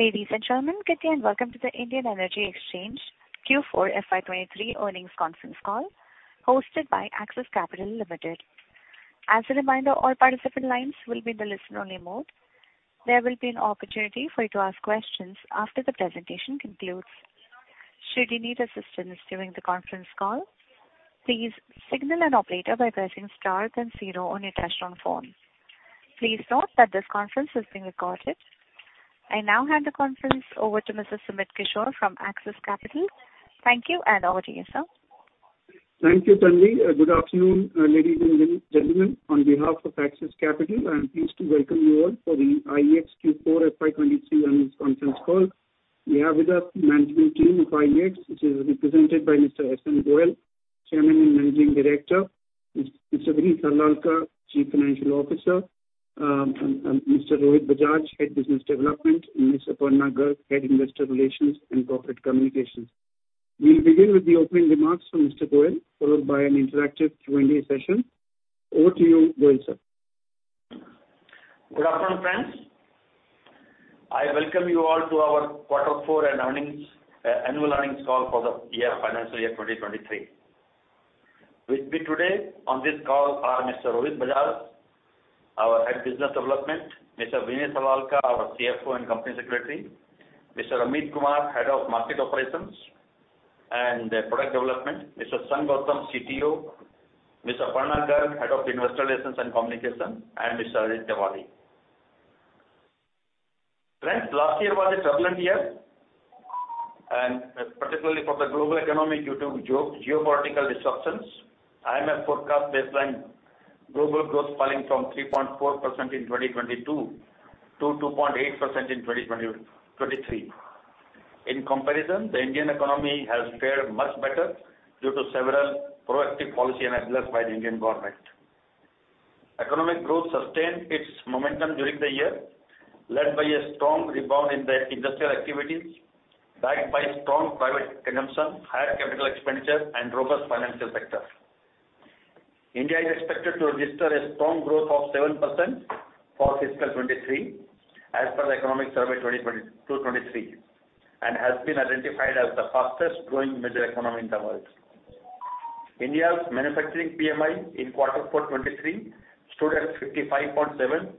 Ladies and gentlemen, good day and welcome to the Indian Energy Exchange Q4 FY 23 earnings conference call, hosted by Axis Capital Limited. As a reminder, all participant lines will be in the listen-only mode. There will be an opportunity for you to ask questions after the presentation concludes. Should you need assistance during the conference call, please signal an operator by pressing star then zero on your touch-tone phone. Please note that this conference is being recorded. I now hand the conference over to Mr. Sumit Kishore from Axis Capital. Thank you, and over to you, sir. Thank you, Tanvi. good afternoon, ladies and gentlemen. On behalf of Axis Capital, I am pleased to welcome you all for the IEX Q4 FY 2023 earnings conference call. We have with us management team of IEX, which is represented by Mr. Satyanarayan Goel, Chairman and Managing Director; Mr. Vineet Harlalka, Chief Financial Officer; Mr. Rohit Bajaj, Head Business Development; and Ms. Aparna Garg, Head Investor Relations and Corporate Communications. We'll begin with the opening remarks from Mr. Goel, followed by an interactive Q&A session. Over to you, Goel, sir. Good afternoon, friends. I welcome you all to our quarter four and earnings, annual earnings call for the year, financial year 2023. With me today on this call are Mr. Rohit Bajaj, our Head Business Development; Mr. Vineet Harlalka, our CFO and Company Secretary; Mr. Amit Kumar, Head of Market Operations and Product Development; Mr. Sang Gautam, CTO; Ms. Aparna Garg, Head of Investor Relations and Communication; and Mr. Ajit Tiwari. Friends, last year was a turbulent year, and particularly for the global economy due to geopolitical disruptions. IMF forecast baseline global growth falling from 3.4% in 2022, to 2.8% in 2023. In comparison, the Indian economy has fared much better due to several proactive policy initiatives by the Indian Government. Economic growth sustained its momentum during the year, led by a strong rebound in the industrial activities, backed by strong private consumption, higher capital expenditure, and robust financial sector. India is expected to register a strong growth of 7% for fiscal 2023, as per the economic survey 2022-2023, and has been identified as the fastest growing major economy in the world. India's manufacturing PMI in quarter four 2023 stood at 55.7,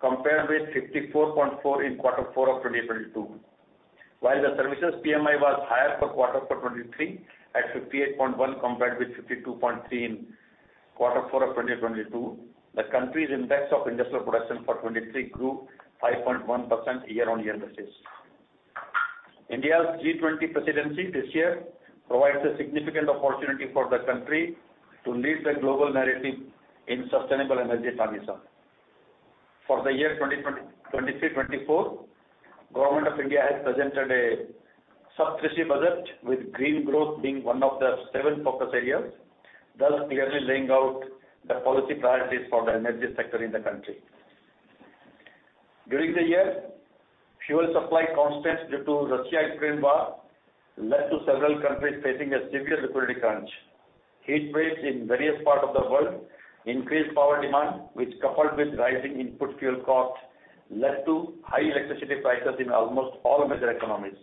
compared with 54.4 in quarter four 2022. The services PMI was higher for quarter four 2023 at 58.1, compared with 52.3 in quarter four 2022, the country's index of industrial production for 2023 grew 5.1% year-on-year basis. India's G20 presidency this year provides a significant opportunity for the country to lead the global narrative in sustainable energy transition. For the year 2023-2024, Government of India has presented a Saptarishi budget, with green growth being one of the seven focus areas, thus clearly laying out the policy priorities for the energy sector in the country. During the year, fuel supply constraints due to Russia-Ukraine war led to several countries facing a severe liquidity crunch. Heat waves in various parts of the world increased power demand, which coupled with rising input fuel costs, led to high electricity prices in almost all major economies.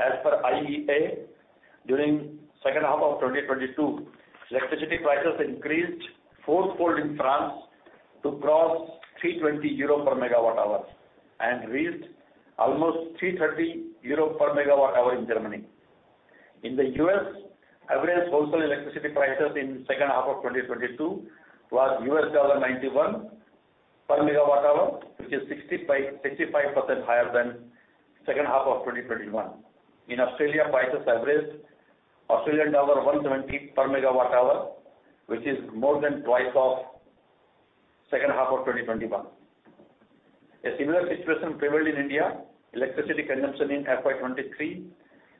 As per IEA, during second half of 2022, electricity prices increased fourfold in France to cross 320 euro per MWh and reached almost 330 euro per MWh in Germany. In the U.S., average wholesale electricity prices in second half of 2022 was $91 per MWh, which is 65% higher than second half of 2021. In Australia, prices averaged Australian dollar 170 per MWh, which is more than twice of second half of 2021. A similar situation prevailed in India. Electricity consumption in FY 2023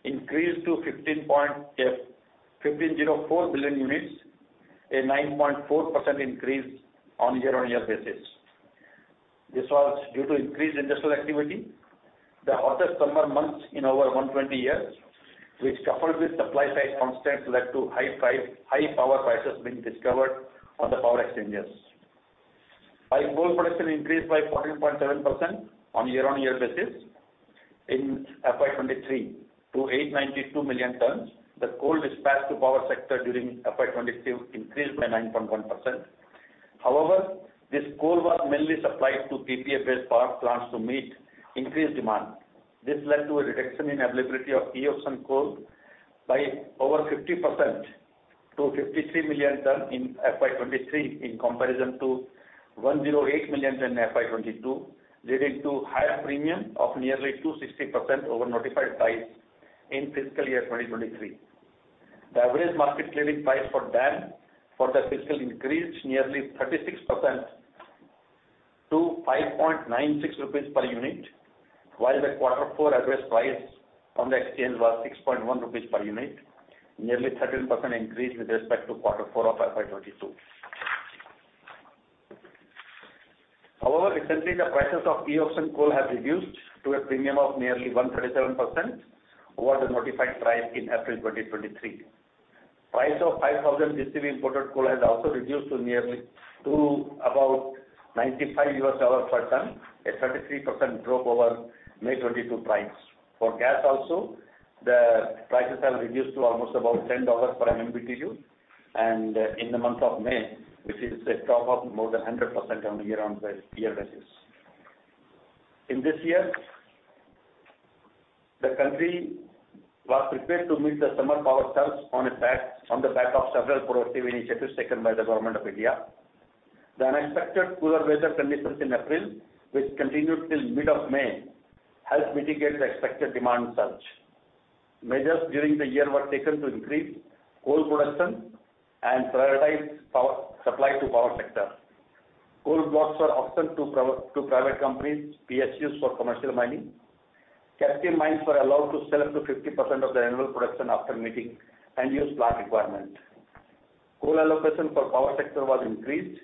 increased to 1,504 billion units, a 9.4% increase on year-on-year basis. This was due to increased industrial activity. The hottest summer months in over 120 years, which coupled with supply side constraints, led to high power prices being discovered on the power exchanges. By coal production increased by 14.7% on year-on-year basis in FY 2023 to 892 million tons. The coal dispatched to power sector during FY 2022 increased by 9.1%. However, this coal was mainly supplied to PPA-based power plants to meet increased demand. This led to a reduction in availability of E-auction coal by over 50% to 53 million ton in FY 2023, in comparison to 108 million in FY 2022, leading to higher premium of nearly 260% over notified price in fiscal year 2023. The average market linking price for DAM for the fiscal increased nearly 36% to 5.96 rupees per unit, while the quarter four average price on the exchange was 6.1 rupees per unit, nearly 13% increase with respect to quarter four of FY 2022. Overall recently the prices of E-auction coal have reduced to a premium of nearly 137% over the notified price in April 2023. Price of 5,000 GCV imported coal has also reduced to nearly to about $95 per ton, a 33% drop over May 2022 price. For gas also, the prices have reduced to almost about $10 per MMBtu, and in the month of May, which is a drop of more than 100% on a year-on-year basis. In this year, the country was prepared to meet the summer power surge on its back, on the back of several proactive initiatives taken by the government of India. The unexpected cooler weather conditions in April, which continued till mid of May, helped mitigate the expected demand surge. Measures during the year were taken to increase coal production and prioritize power supply to power sector. Coal blocks were auctioned to private companies, PSUs for commercial mining. Captive mines were allowed to sell up to 50% of their annual production after meeting and use plant requirement. Coal allocation for power sector was increased,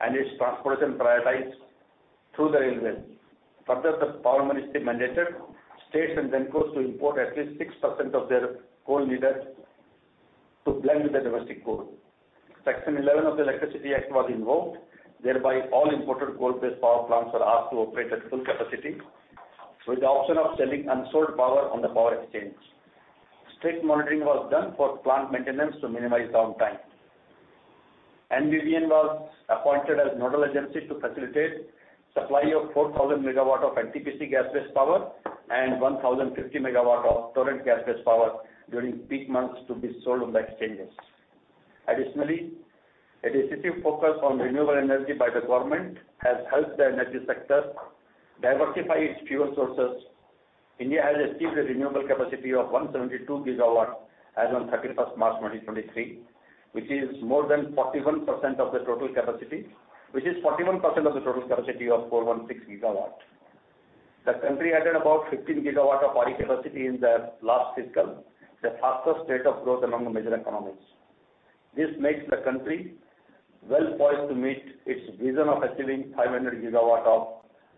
and its transportation prioritized through the railway. Further, the power ministry mandated states and GENCOs to import at least 6% of their coal needed to blend with the domestic coal. Section 11 of the Electricity Act was invoked, thereby all imported coal-based power plants were asked to operate at full capacity, with the option of selling unsold power on the power exchange. Strict monitoring was done for plant maintenance to minimize downtime. NVVN was appointed as nodal agency to facilitate supply of 4,000 MW of NTPC gas-based power and 1,050 MW of Torrent gas-based power during peak months to be sold on the exchanges. Additionally, a decisive focus on renewable energy by the government has helped the energy sector diversify its fuel sources. India has achieved a renewable capacity of 172 GW as on 31st March, 2023, which is more than 41% of the total capacity, which is 41% of the total capacity of 416 GW. The country added about 15 GW of RE capacity in the last fiscal, the fastest rate of growth among the major economies. This makes the country well poised to meet its vision of achieving 500 GWh of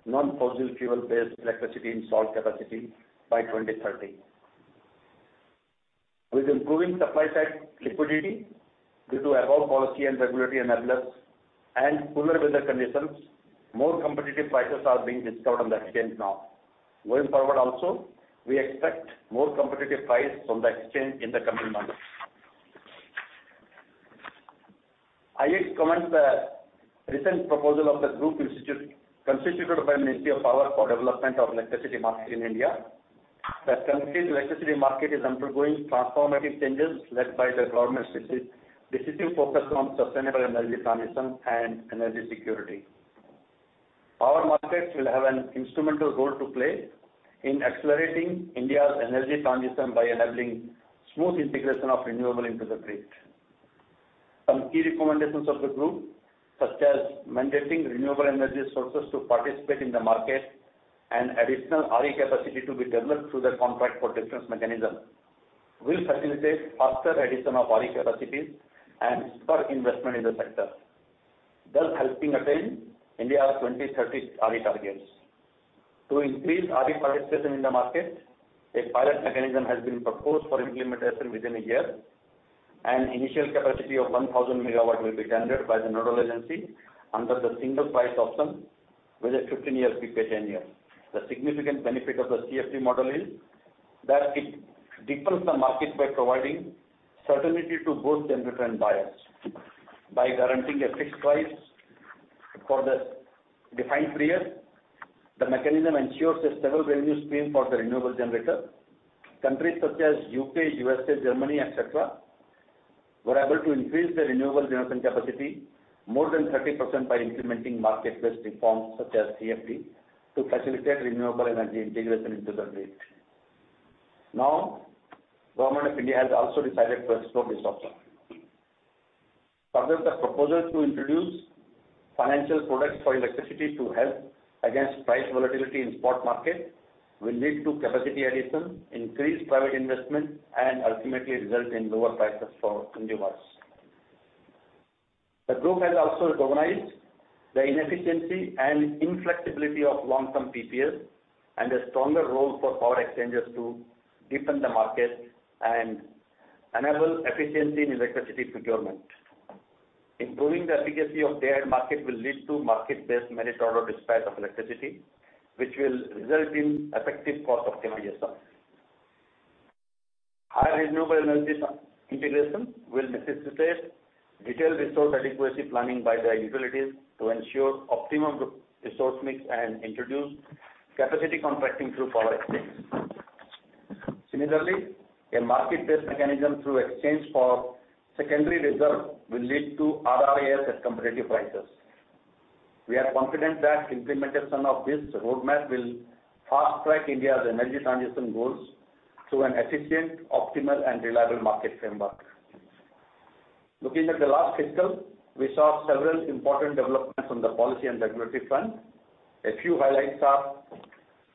non-fossil fuel-based electricity in solar capacity by 2030. With improving supply side liquidity due to above policy and regulatory enablers and cooler weather conditions, more competitive prices are being discovered on the exchange now. Going forward also, we expect more competitive prices from the exchange in the coming months. I welcome the recent proposal of the group, constituted by Ministry of Power for Development of Electricity Market in India. The country's electricity market is undergoing transformative changes led by the government's decisive focus on sustainable energy transition and energy security. Power markets will have an instrumental role to play in accelerating India's energy transition by enabling smooth integration of renewable into the grid. Some key recommendations of the group, such as mandating renewable energy sources to participate in the market and additional RE capacity to be developed through the Contract for Difference mechanism, will facilitate faster addition of RE capacities and spur investment in the sector, thus helping attain India's 2030 RE targets. To increase RE participation in the market, a pilot mechanism has been proposed for implementation within a year, and initial capacity of 1,000 MW will be tendered by the nodal agency under the single price option, with a 15-year PPAs tenure. The significant benefit of the CFT model is that it deepens the market by providing certainty to both generator and buyers. By guaranteeing a fixed price for the defined period, the mechanism ensures a stable revenue stream for the renewable generator. Countries such as U.K., U.S.A., Germany, et cetera, were able to increase their renewable generation capacity more than 30% by implementing market-based reforms, such as CFT, to facilitate renewable energy integration into the grid. Government of India has also decided to explore this option. The proposal to introduce financial products for electricity to help against price volatility in spot market will lead to capacity addition, increased private investment, and ultimately result in lower prices for consumers. The group has also recognized the inefficiency and inflexibility of long-term PPAs, and a stronger role for power exchanges to deepen the market and enable efficiency in electricity procurement. Improving the efficacy of Day-Ahead Market will lead to market-based merit order dispatch of electricity, which will result in effective cost optimization. Higher renewable energy integration will necessitate detailed resource adequacy planning by the utilities to ensure optimum resource mix and introduce capacity contracting through power exchange. Similarly, a market-based mechanism through exchange for secondary reserve will lead to RRAS at competitive prices. We are confident that implementation of this roadmap will fast-track India's energy transition goals through an efficient, optimal, and reliable market framework. Looking at the last fiscal, we saw several important developments on the policy and regulatory front. A few highlights are,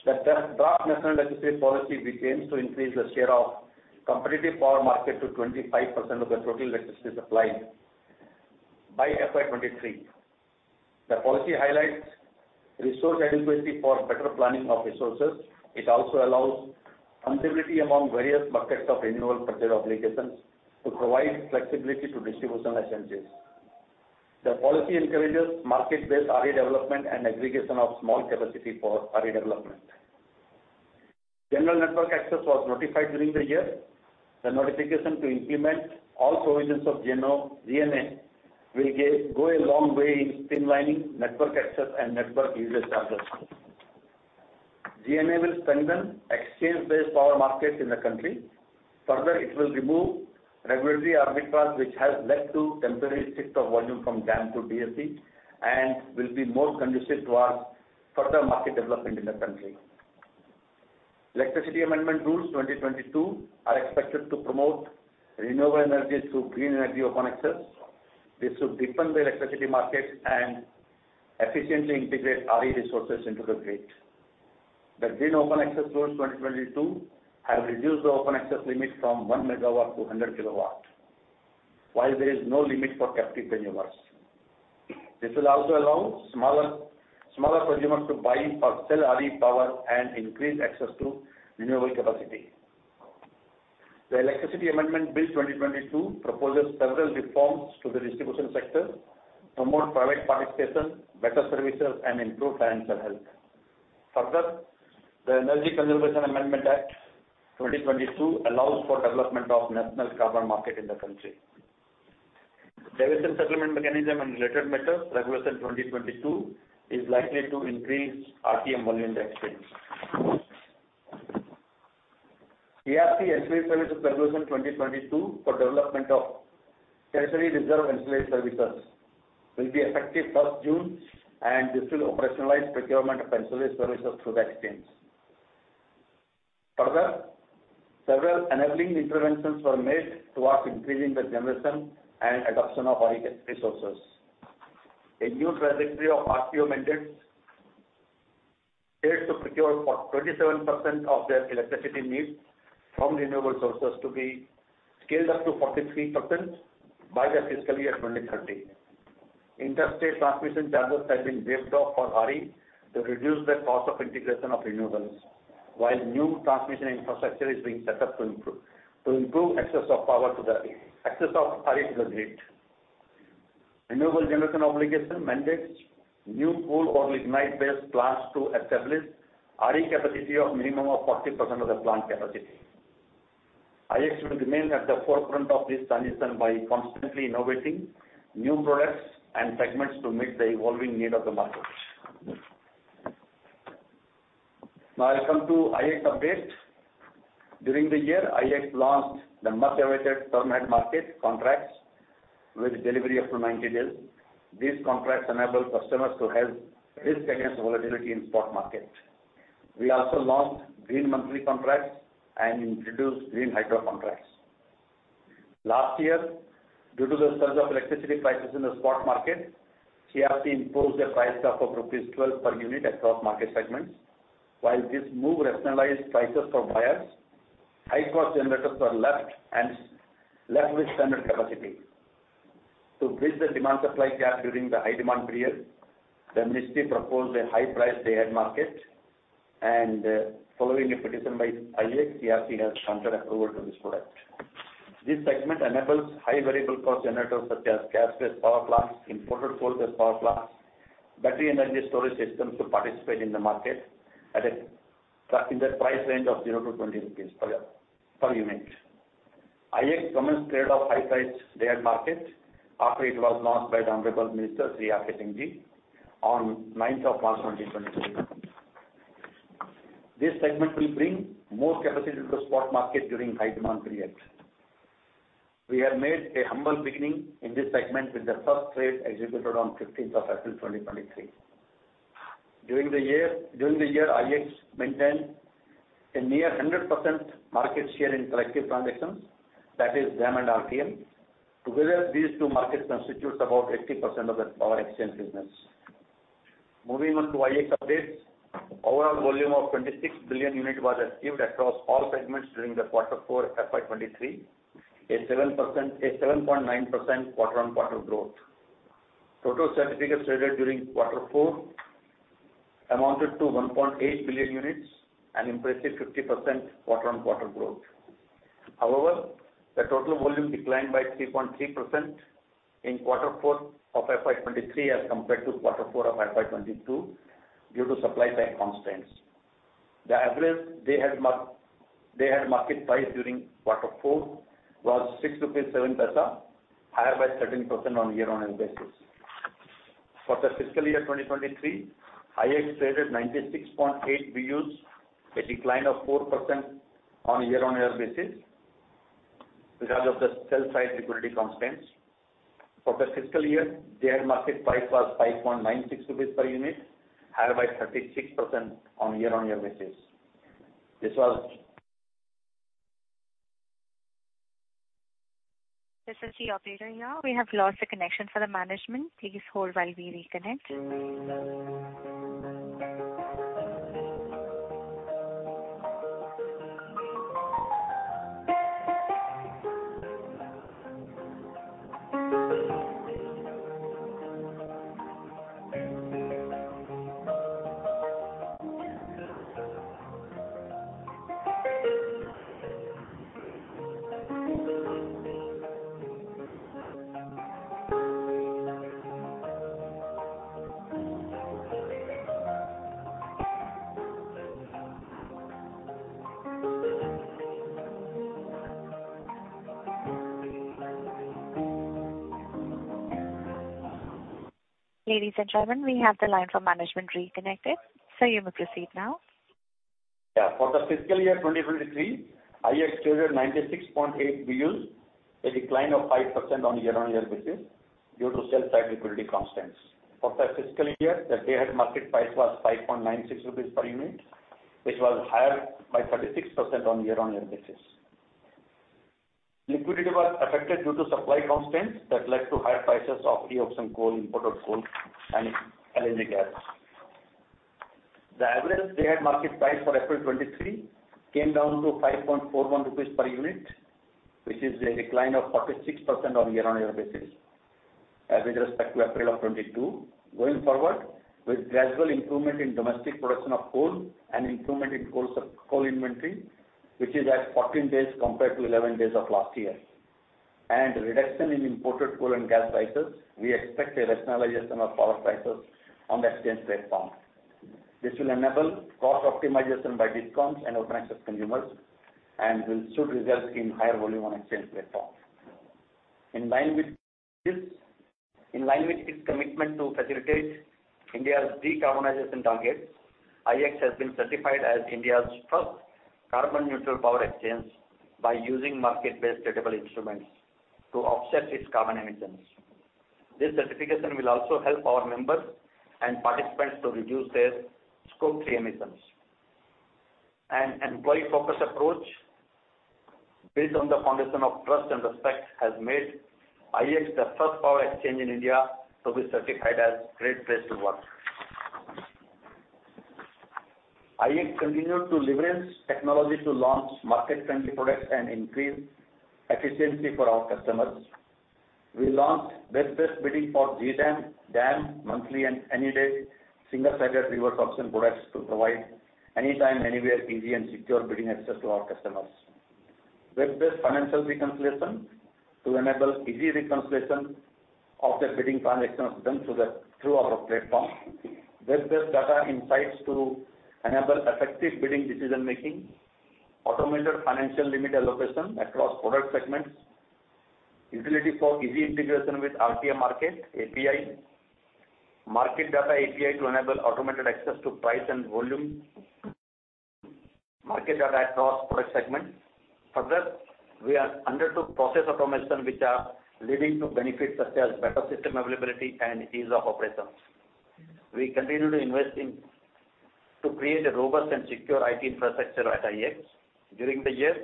that the Draft National Electricity Policy begins to increase the share of competitive power market to 25% of the total electricity supply by FY 2023. The policy highlights resource adequacy for better planning of resources. It also allows flexibility among various buckets of renewable project obligations to provide flexibility to distribution licenses. The policy encourages market-based RE development and aggregation of small capacity for RE development. General Network Access was notified during the year. The notification to implement all provisions of GNA will go a long way in streamlining network access and network usage charges. GNA will strengthen exchange-based power markets in the country. It will remove regulatory arbitrage, which has led to temporary shift of volume from DAM to DAC, and will be more conducive to our further market development in the country. Electricity (Amendment) Rules, 2022 are expected to promote renewable energy through Green Energy Open Access. This should deepen the electricity market and efficiently integrate RE resources into the grid. The Green Open Access Rules, 2022 have reduced the open access limit from 1 MW to 100 kW, while there is no limit for captive renewables. This will also allow smaller consumers to buy or sell RE power and increase access to renewable capacity. The Electricity (Amendment) Bill, 2022 proposes several reforms to the distribution sector to promote private participation, better services, and improve financial health. The Energy Conservation (Amendment) Act, 2022 allows for development of national carbon market in the country. Deviation Settlement Mechanism and Related Matters, Regulation 2022, is likely to increase RTM volume in the exchange. CERC Ancillary Services Regulation 2022 for development of tertiary reserve ancillary services will be effective 1st June, this will operationalize procurement of ancillary services through the exchange. Several enabling interventions were made towards increasing the generation and adoption of RE resources. A new trajectory of RPO mandates states to procure for 27% of their electricity needs from renewable sources to be scaled up to 43% by the fiscal year 2030. Interstate transmission charges have been waived off for RE to reduce the cost of integration of renewables, while new transmission infrastructure is being set up to improve access of RE to the grid. Renewable generation obligation mandates new coal or lignite-based plants to establish RE capacity of minimum of 40% of the plant capacity. IEX will remain at the forefront of this transition by constantly innovating new products and segments to meet the evolving need of the market. Now I come to IEX updates. During the year, IEX launched the much-awaited Term-Ahead Market contracts with delivery up to 90 days. These contracts enable customers to hedge risk against volatility in spot market. We also launched Green Monthly Contracts and introduced Green Hydro Contracts. Last year, due to the surge of electricity prices in the spot market, CERC imposed a price cap of rupees 12 per unit across market segments. While this move rationalized prices for buyers, high cost generators were left with standard capacity. To bridge the demand-supply gap during the high demand period, the Ministry proposed a High Price Day-Ahead Market, and following a petition by IEX, CERC has granted approval to this product. This segment enables high variable cost generators, such as gas-based power plants, imported coal-based power plants, battery energy storage systems, to participate in the market in the price range of 0-20 rupees per unit. IEX commenced trade of High Price Day Ahead Market after it was launched by the Honorable Minister, Shri R.K. Singhji, on 9th of March 2023. This segment will bring more capacity to the spot market during high demand periods. We have made a humble beginning in this segment with the first trade executed on 15th of April 2023. During the year, IEX maintained a near 100% market share in collective transactions, that is, DAM and RTM. Together, these two markets constitutes about 80% of the power exchange business. Moving on to IEX updates, overall volume of 26 billion units was achieved across all segments during quarter four FY 2023, a 7.9% quarter-on-quarter growth. Total certificates traded during quarter four amounted to 1.8 billion units, an impressive 50% quarter-on-quarter growth. However, the total volume declined by 3.3% in quarter four of FY 2023 as compared to quarter four of FY 2022, due to supply side constraints. The average Day-Ahead Market price during quarter four was 6.07 rupees, higher by 13% on a year-on-year basis. For the fiscal year 2023, IEX traded 96.8 BUs, a decline of 4% on a year-on-year basis because of the sell side liquidity constraints. For the fiscal year, Day-Ahead Market price was 5.96 rupees per unit, higher by 36% on a year-on-year basis. This was- This is the operator here. We have lost the connection for the management. Please hold while we reconnect. Ladies and gentlemen, we have the line from management reconnected. Sir, you may proceed now. Yeah. For the fiscal year 2023, IEX stood at 96.8 BUs, a decline of 5% on a year-on-year basis due to supply-side liquidity constraints. For the fiscal year, the Day-Ahead Market price was 5.96 rupees per unit, which was higher by 36% on a year-on-year basis. Liquidity was affected due to supply constraints that led to higher prices of E-auction coal, imported coal, and LNG gas. The average Day-Ahead Market price for April 2023 came down to 5.41 rupees per unit, which is a decline of 46% on a year-on-year basis as with respect to April of 2022. Going forward, with gradual improvement in domestic production of coal and improvement in coal inventory, which is at 14 days compared to 11 days of last year, and reduction in imported coal and gas prices, we expect a rationalization of power prices on the exchange platform. This will enable cost optimization by discounts and open access consumers and will soon result in higher volume on exchange platform. In line with its commitment to facilitate India's decarbonization targets, IEX has been certified as India's first carbon neutral power exchange by using market-based tradable instruments to offset its carbon emissions. This certification will also help our members and participants to reduce their Scope 3 emissions. An employee-focused approach based on the foundation of trust and respect, has made IEX the first power exchange in India to be certified as great place to work. IEX continued to leverage technology to launch market-friendly products and increase efficiency for our customers. We launched web-based bidding for GTAM, DAM, Monthly and Any-Day Single-Sided reverse auction products to provide Anytime, Anywhere, easy and secure bidding access to our customers. Web-based Financial Reconciliation to enable easy reconciliation of the bidding transactions done through our platform. Web-based Data Insights to enable effective bidding decision making. Automated Financial Limit Allocation across product segments. Utility for easy integration with RTM market API. Market Data API to enable automated access to price and volume. Market data across product segments. Further, we are undertook process automation, which are leading to benefits such as better system availability and ease of operations. We continue to invest in to create a robust and secure IT infrastructure at IEX. During the year,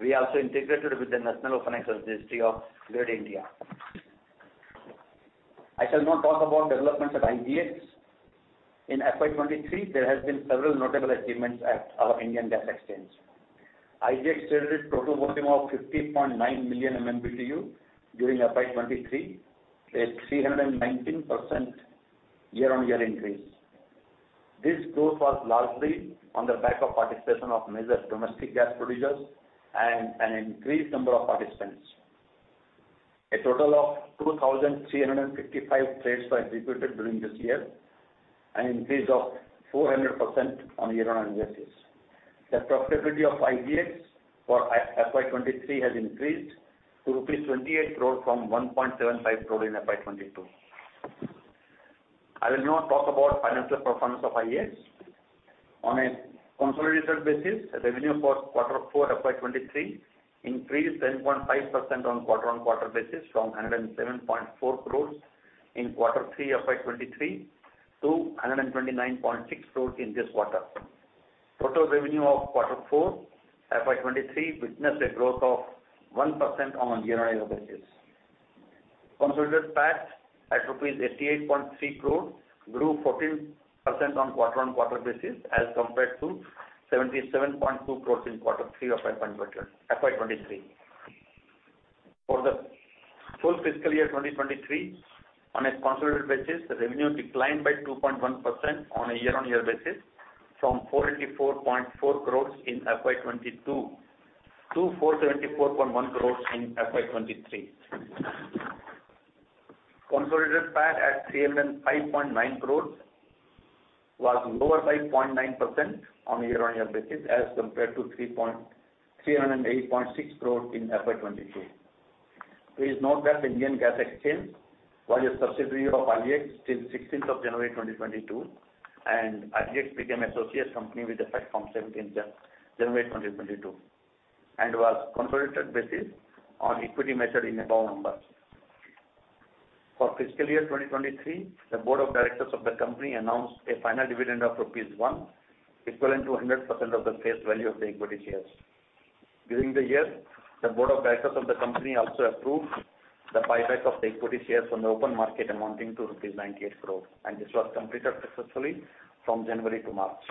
we also integrated with the National Financial Registry of Grid India. I shall now talk about developments at IGX. In FY 2023, there has been several notable achievements at our Indian Gas Exchange. IGX traded total volume of 50.9 million MMBtu during FY 2023, a 319% year-on-year increase. This growth was largely on the back of participation of major domestic gas producers and an increased number of participants. A total of 2,355 trades were executed during this year, an increase of 400% on a year-on-year basis. The profitability of IGX for FY 2023 has increased to rupees 28 crore from 1.75 crore in FY 2022. I will now talk about financial performance of IEX. On a consolidated basis, the revenue for quarter four FY 2023 increased 10.5% on a quarter-on-quarter basis from 107.4 crore in quarter three FY 2023 to 129.6 crore in this quarter. Total revenue of quarter four FY 2023 witnessed a growth of 1% on a year-on-year basis. Consolidated PAT at rupees 88.3 crore grew 14% on a quarter-on-quarter basis as compared to 77.2 crore in quarter three of FY 2023. For the full fiscal year 2023, on a consolidated basis, the revenue declined by 2.1% on a year-on-year basis from 484.4 crore in FY 2022 to 474.1 crore in FY 2023. Consolidated PAT at 305.9 crore was lower by 0.9% on a year-on-year basis as compared to 308.6 crore in FY 2022. Please note that Indian Gas Exchange was a subsidiary of IEX till 16th of January 2022, and IEX became associate company with effect from 17th January 2022, and was consolidated basis on equity measured in above numbers. For fiscal year 2023, the board of directors of the company announced a final dividend of rupees 1, equivalent to 100% of the face value of the equity shares. During the year, the board of directors of the company also approved the buyback of the equity shares on the open market amounting to INR 98 crore, and this was completed successfully from January to March.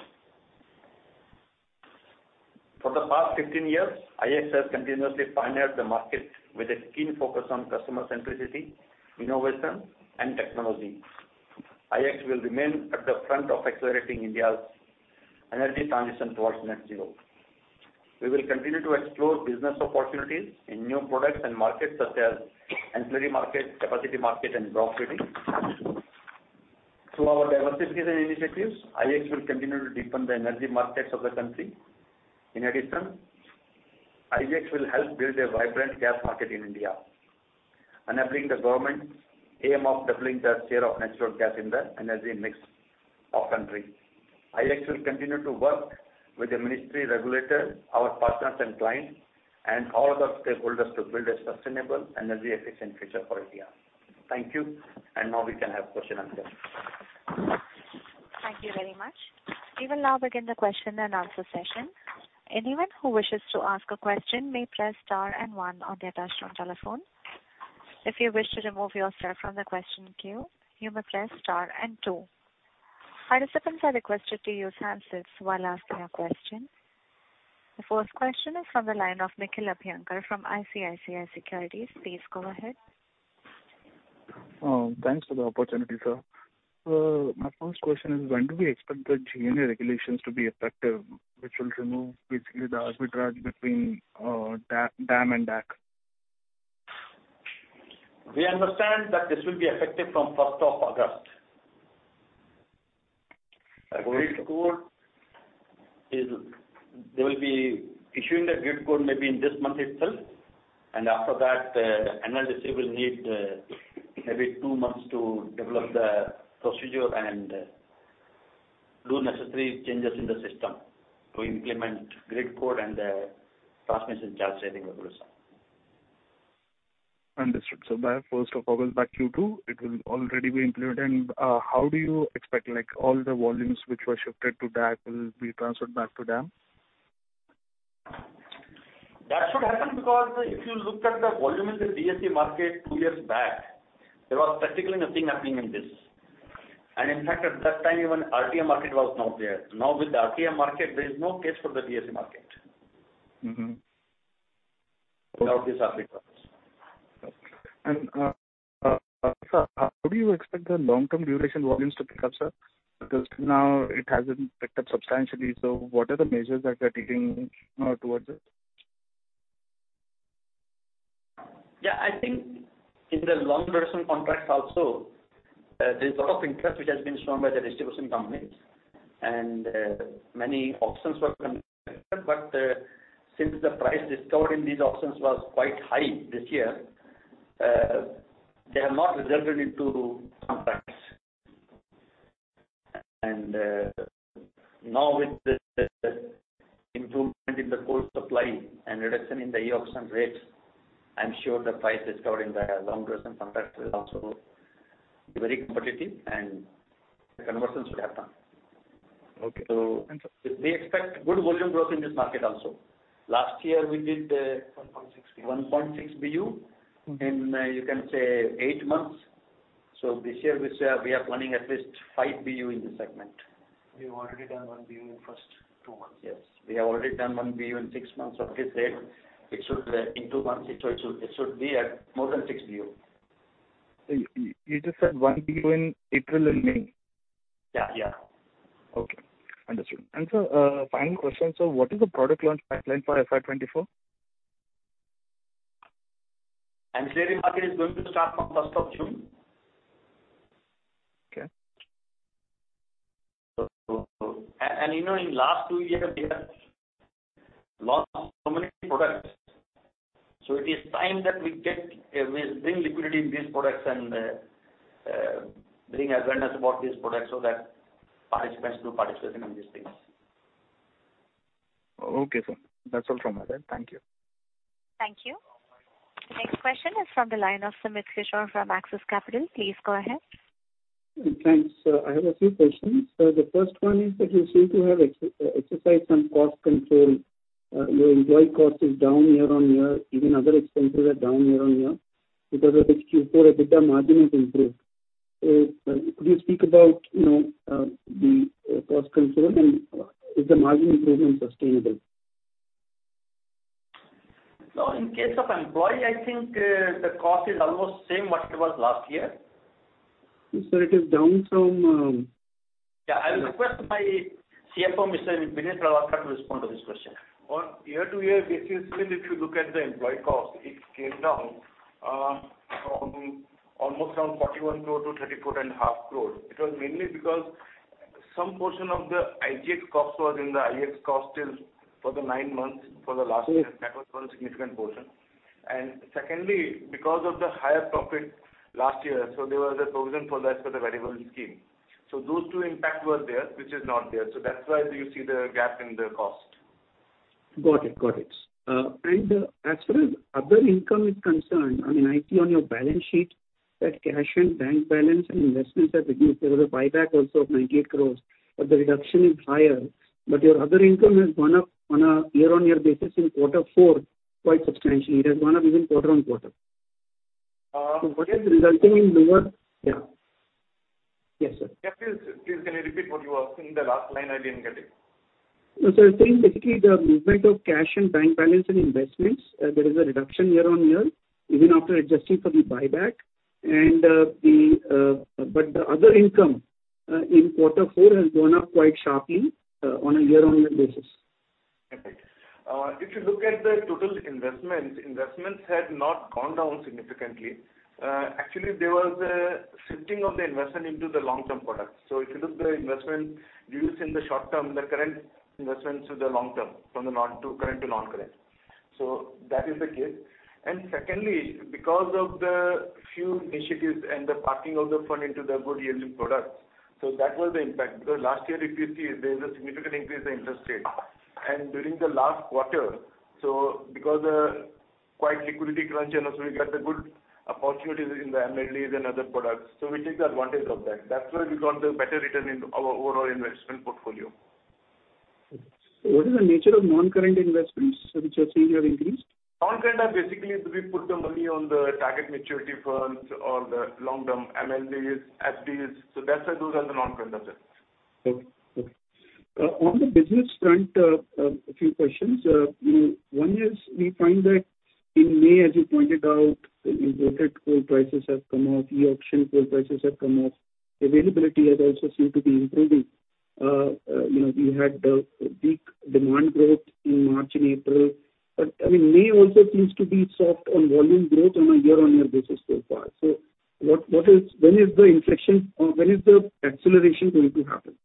For the past 15 years, IEX has continuously pioneered the market with a keen focus on Customer Centricity, Innovation, and Technology. IEX will remain at the front of accelerating India's energy transition towards net zero. We will continue to explore business opportunities in new products and markets, such as Ancillary Market, Capacity Market, and Block Trading. Through our diversification initiatives, IEX will continue to deepen the energy markets of the country. In addition, IEX will help build a vibrant gas market in India, enabling the government's aim of doubling the share of natural gas in the energy mix of country. IEX will continue to work with the ministry regulator, our partners and clients, and all other stakeholders to build a sustainable, energy efficient future for India. Thank you. Now we can have question and answer. Thank you very much. We will now begin the question and answer session. Anyone who wishes to ask a question may press star and one on their touchtone telephone. If you wish to remove yourself from the question queue, you may press star and two. Participants are requested to use handsets while asking a question. The first question is from the line of Nikhil Abhyankar from ICICI Securities. Please go ahead. Thanks for the opportunity, sir. My first question is: when do we expect the GNA regulations to be effective, which will remove basically the arbitrage between DAM and DAC? We understand that this will be effective from 1st of August. Grid code, they will be issuing the grid code maybe in this month itself. After that, NLDC will need maybe two months to develop the procedure and do necessary changes in the system to implement grid code and the transmission charge saving regulation. Understood. By 1st of August, by Q2, it will already be included. How do you expect, like, all the volumes which were shifted to DAC will be transferred back to DAM? That should happen because if you look at the volume in the RTM market two years back, there was practically nothing happening in this. In fact, at that time, even RTM market was not there. Now, with the RTM market, there is no case for the RTM market. Mm-hmm. Without this arbitrage. Sir, how do you expect the long-term duration volumes to pick up, sir? Because now it hasn't picked up substantially, so what are the measures that you are taking, towards it? Yeah, I think in the long version contracts also, there's a lot of interest which has been shown by the distribution companies, many auctions were conducted. Since the price discovered in these auctions was quite high this year, they have not resulted into contracts. Now with the improvement in the coal supply and reduction in the E-auction rates, I'm sure the price discovered in the long-duration contracts will also be very competitive, and the conversion should happen. Okay. We expect good volume growth in this market also. Last year, we did- 1.6 BU. 1.6 BU Mm-hmm. In, you can say, eight months. This year, we are planning at least 5 BU in this segment. We've already done 1 BU in the first two months. Yes. We have already done 1 BU in six months of this year. In two months, it should be at more than 6 BU. You just said 1 BU in April and May? Yeah. Yeah. Okay. Understood. sir, final question: what is the product launch pipeline for FY 2024? Ancillary market is going to start from 1st of June. Okay. You know, in last two years, we have launched so many products. It is time that we get, we bring liquidity in these products and, bring awareness about these products so that participants do participate in these things. Okay, sir. That's all from my end. Thank you. Thank you. Next question is from the line of Sumit Kishore from Axis Capital. Please go ahead. Thanks. I have a few questions. The first one is that you seem to have exercised some cost control. Your employee cost is down year-on-year, even other expenses are down year-on-year. Q4 EBITDA margin has improved. Could you speak about, you know, the cost control? Is the margin improvement sustainable? In case of employee, I think, the cost is almost same what it was last year. Sir, it is down from- Yeah, I will request my CFO, Mr. Vineet Ralasa, to respond to this question. On year-over-year basis, when if you look at the employee cost, it came down from almost around 41 crore to 34.5 crore. It was mainly because some portion of the IEX cost was in the IEX cost till for the nine months for the last year. Yes. That was one significant portion. Secondly, because of the higher profit last year, there was a provision for that for the variable scheme. Those two impact were there, which is not there. That's why you see the gap in the cost. Got it. Got it. As far as other income is concerned, I mean, I see on your balance sheet. The cash and bank balance and investments have reduced. There was a buyback also of 98 crores, but the reduction is higher. Your other income has gone up on a year-on-year basis in Q4, quite substantially. It has gone up even quarter-on-quarter. What is resulting in lower? Yeah. Yes, sir. Yeah, please, can you repeat what you were saying? The last line I didn't get it. No, sir, I think basically the movement of cash and bank balance and investments, there is a reduction year-on-year, even after adjusting for the buyback and the, but the other income in quarter four has gone up quite sharply on a year-on-year basis. Okay. If you look at the total investments had not gone down significantly. Actually, there was a shifting of the investment into the long-term products. If you look the investment reduced in the short term, the current investments to the long term, from the current to non-current. That is the case. Secondly, because of the few initiatives and the parking of the fund into the good yielding products, that was the impact. Last year, if you see, there is a significant increase in the interest rate. During the last quarter, because, quite liquidity crunch and also we got a good opportunity in the MLDs and other products, we take the advantage of that. That's why we got the better return in our overall investment portfolio. What is the nature of non-current investments which you are saying you have increased? Non-current are basically, we put the money on the target maturity funds or the long-term MLDs, SDs, so that's the those are the non-current investments. Okay. Okay. On the business front, a few questions. You know, one is, we find that in May, as you pointed out, the inverted coal prices have come off, E-auction coal prices have come off. Availability has also seemed to be improving. You know, we had weak demand growth in March and April, but, I mean, May also seems to be soft on volume growth on a year-on-year basis so far. What is the inflection or when is the acceleration going to happen?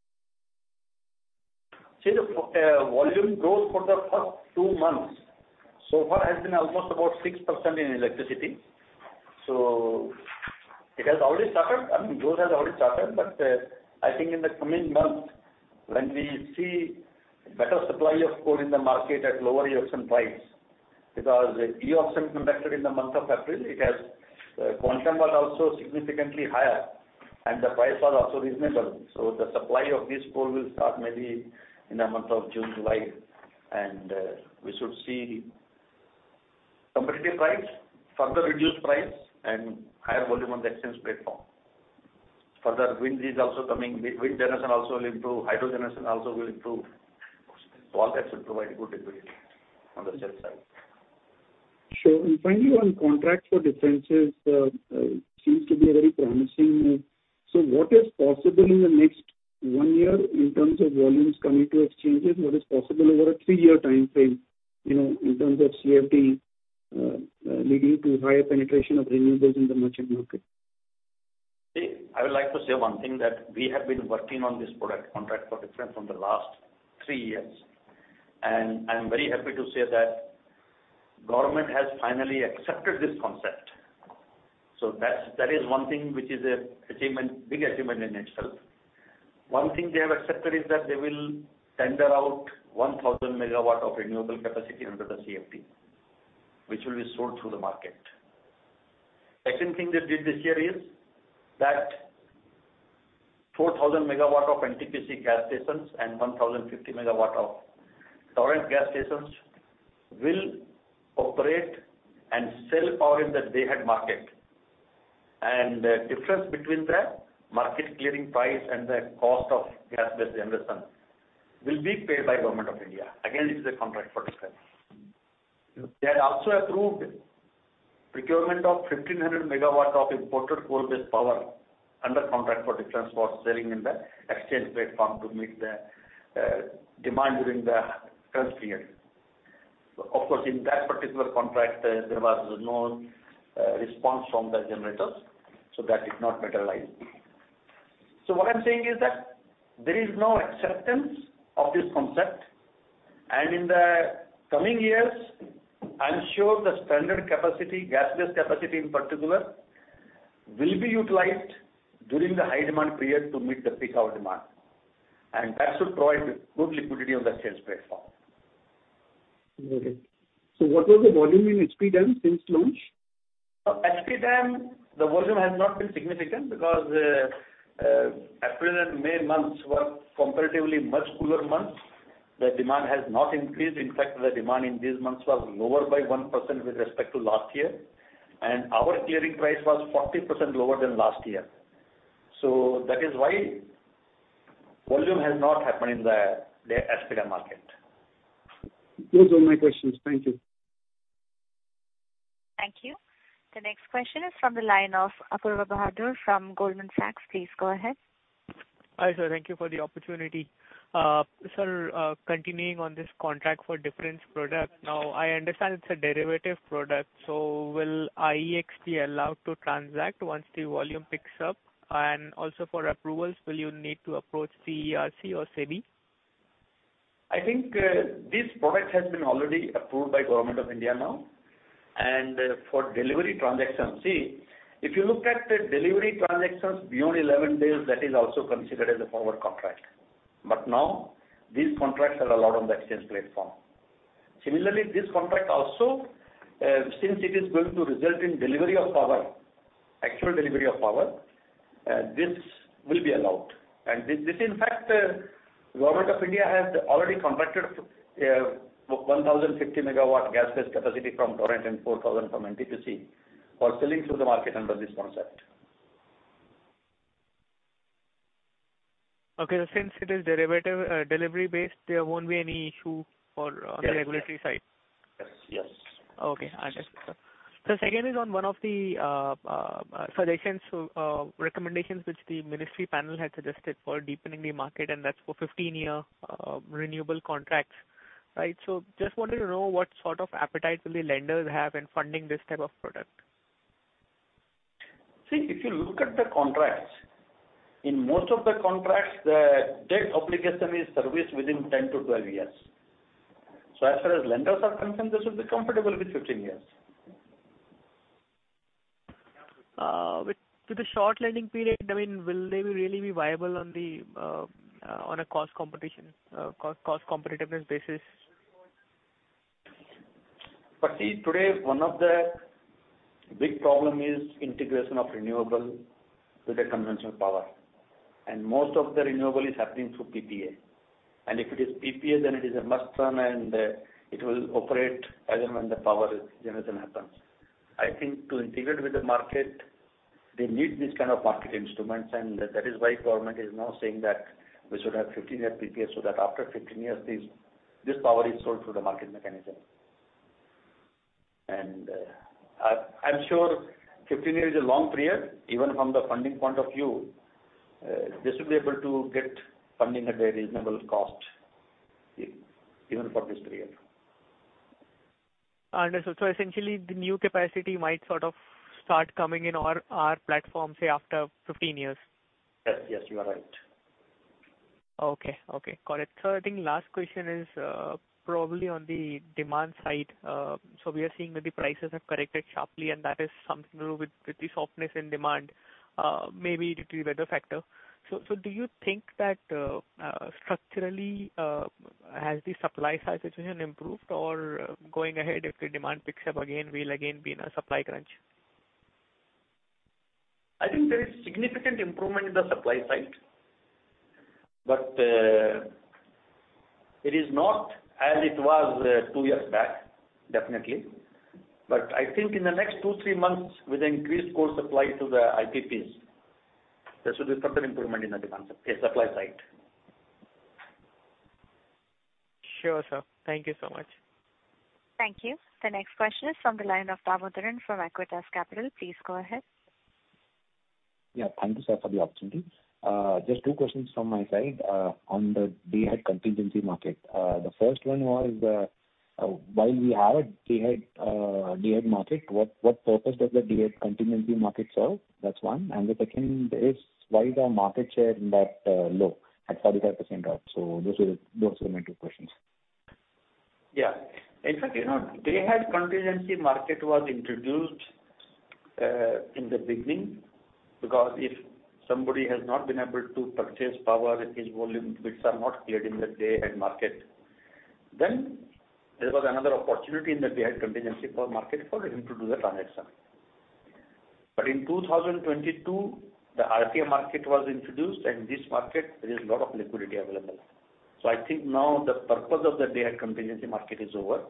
See, the volume growth for the first two months, so far has been almost about 6% in electricity. It has already started, I mean, growth has already started, but I think in the coming months, when we see better supply of coal in the market at lower E-auction prices, because the E-auction conducted in the month of April, it has quantum was also significantly higher and the price was also reasonable. The supply of this coal will start maybe in the month of June, July, and we should see competitive price, further reduced price, and higher volume on the exchange platform. Wind is also coming, wind generation also will improve, hydro generation also will improve. All that should provide good improvement on the sales side. Sure. Finally, on Contract for Difference, seems to be a very promising move. What is possible in the next one year in terms of volumes coming to exchanges? What is possible over a three-year timeframe, you know, in terms of CFD, leading to higher penetration of renewables in the merchant market? I would like to say one thing, that we have been working on this product, Contract for Difference, from the last three years. I'm very happy to say that Government has finally accepted this concept. That's, that is one thing which is a achievement, big achievement in itself. One thing they have accepted is that they will tender out 1,000 MW of renewable capacity under the CFD, which will be sold through the market. Second thing they did this year is, that 4,000 MW of NTPC gas stations and 1,050 MW of Torrent gas stations will operate and sell power in the Day-Ahead Market. The difference between the market clearing price and the cost of gas-based generation will be paid by Government of India. Again, this is a Contract for Difference. They had also approved procurement of 1,500 MW of imported coal-based power under Contract for Difference for selling in the exchange platform to meet the demand during the current period. Of course, in that particular contract, there was no response from the generators, so that did not materialize. What I'm saying is that there is now acceptance of this concept, and in the coming years, I'm sure the standard capacity, gas-based capacity in particular, will be utilized during the high-demand period to meet the peak hour demand, and that should provide good liquidity on the sales platform. Okay. What was the volume in HP-DAM since launch? HP-DAM, the volume has not been significant because April and May months were comparatively much cooler months. The demand has not increased. In fact, the demand in these months was lower by 1% with respect to last year, and our clearing price was 40% lower than last year. That is why volume has not happened in the HP-DAM market. Those are my questions. Thank you. Thank you. The next question is from the line of Apoorva Bahadur from Goldman Sachs. Please go ahead. Hi, sir. Thank you for the opportunity. Sir, continuing on this Contract for Difference product. I understand it's a derivative product, will IEX be allowed to transact once the volume picks up? Also for approvals, will you need to approach CERC or SEBI? I think, this product has been already approved by Government of India now. For delivery transactions. See, if you look at the delivery transactions beyond 11 days, that is also considered as a forward contract. Now, these contracts are allowed on the exchange platform. Similarly, this contract also, since it is going to result in delivery of power, actual delivery of power, this will be allowed. This, in fact, Government of India has already contracted, 1,050 MW gas-based capacity from Torrent and 4,000 from NTPC for selling to the market under this concept. Okay, since it is delivery-based, there won't be any issue for- Yes. The regulatory side? Yes. Yes. Okay, I understand, sir. Second is on one of the suggestions, recommendations which the ministry panel had suggested for deepening the market, and that's for 15-year renewable contracts, right? Just wanted to know, what sort of appetite will the lenders have in funding this type of product? If you look at the contracts, in most of the contracts, the debt obligation is serviced within 10 to 12 years. As far as lenders are concerned, this will be comfortable with 15 years. To the short lending period, I mean, will they really be viable on the, on a cost competitiveness basis? See, today, one of the big problem is integration of renewable with the conventional power, and most of the renewable is happening through PPA. If it is PPA, then it is a must-run, and it will operate as and when the power generation happens. I think to integrate with the market, they need this kind of market instruments, and that is why government is now saying that we should have 15-year PPA, so that after 15 years, this power is sold through the market mechanism. I'm sure 15 years is a long period, even from the funding point of view, they should be able to get funding at a reasonable cost, even for this period. Understood. Essentially, the new capacity might sort of start coming in our platform, say, after 15 years? Yes. Yes, you are right. Okay, okay. Got it. I think last question is, probably on the demand side. We are seeing that the prices have corrected sharply, and that has something to do with the softness in demand, maybe due to weather factor. Do you think that, structurally, has the supply side situation improved? Or going ahead, if the demand picks up again, we'll again be in a supply crunch? I think there is significant improvement in the supply side, but, it is not as it was, two years back, definitely. I think in the next two, three months, with increased coal supply to the IPPs, there should be further improvement in the supply side. Sure, sir. Thank you so much. Thank you. The next question is from the line of Damodaran from Equitas Capital. Please go ahead. Yeah, thank you, sir, for the opportunity. Just two questions from my side on the Day-Ahead Contingency Market. The first one was, while we have a Day-Ahead Market, what purpose does the Day-Ahead Contingency Market serve? That's one. The second is, why is our market share in that low, at 35% off? Those are my two questions. In fact, you know, Day-Ahead Contingency Market was introduced in the beginning, because if somebody has not been able to purchase power, his volume bids are not cleared in the Day-Ahead Market, then there was another opportunity in the Day-Ahead Contingency Market for him to do the transaction. In 2022, the RPO market was introduced. This market, there is a lot of liquidity available. I think now the purpose of the Day-Ahead Contingency Market is over.